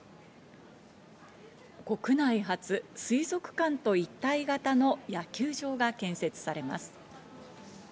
国内初、水族館と一体型の野球場が建設されます。